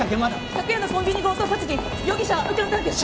昨夜のコンビニ強盗殺人容疑者は浮かんだんですか？